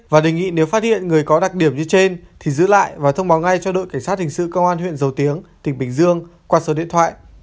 và đề nghị nếu phát hiện người có đặc điểm như trên thì giữ lại và thông báo ngay cho đội cảnh sát hình sự công an huyện dầu tiếng tỉnh bình dương qua số điện thoại